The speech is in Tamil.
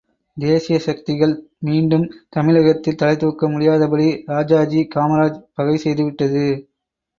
தேசீய சக்திகள் மீண்டும் தமிழகத்தில் தலைதூக்க முடியாதபடி ராஜாஜி காமராஜ் பகை செய்து விட்டது.